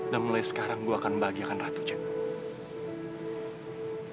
dan mulai sekarang gue akan bahagiakan ratu jam